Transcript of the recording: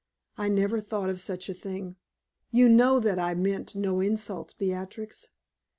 I never thought of such a thing. You know that I meant no insult, Beatrix?"